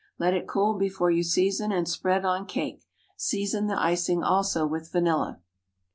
Let it cool before you season, and spread on cake. Season the icing also with vanilla.